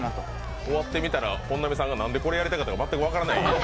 終わってみたら本並さんがなんでこれやりたかったか分からない。